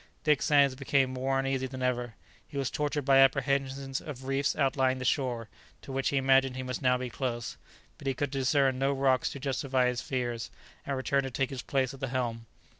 Dick Sands became more uneasy than ever; he was tortured by apprehensions of reefs outlying the shore, to which he imagined he must now be close; but he could discern no rocks to justify his fears, and returned to take his place at the helm.